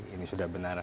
ini sudah benar